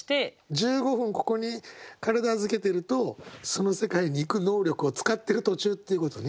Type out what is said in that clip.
１５分ここに体預けてるとその世界に行く能力を使ってる途中っていうことね。